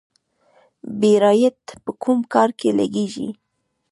بیرایت په کوم کار کې لګیږي؟